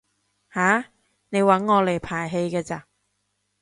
吓？你搵我嚟排戲㗎咋？